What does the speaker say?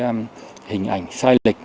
và các hình ảnh sai lịch